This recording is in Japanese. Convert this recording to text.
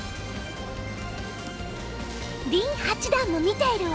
林八段も見ているわ。